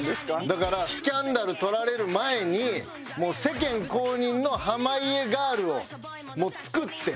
だからスキャンダル撮られる前に世間公認の濱家ガールを作って。